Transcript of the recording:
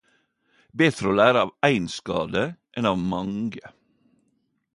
Betre å lære av éin skade enn av mange.